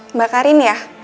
mbak karin ya